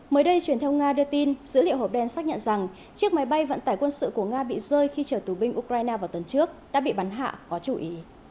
mới đây truyền thông nga đưa tin dữ liệu hộp đen xác nhận rằng chiếc máy bay vận tải quân sự của nga bị rơi khi chở tù binh ukraine vào tuần trước đã bị bắn hạ có chủ ý